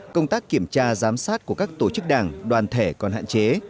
công tác kiểm tra giám sát của các tổ chức đảng đoàn thể còn hạn chế